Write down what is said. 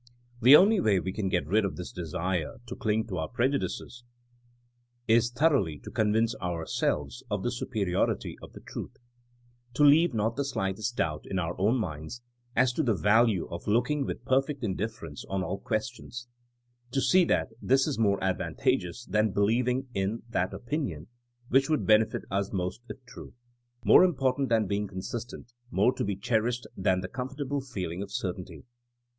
The only way we can get rid of this desire to cling to our prejudices, is thor oughly to convince ourselves of the superiority of the truth; to leave not the slightest doubt in our own minds as to the value of looking with perfect indifference on all questions ; to see that this is more advantageous than believing in that opinion which would benefit us most if true, more important than being consistent, '' more to be cherished than the comfortable feeling of certainty.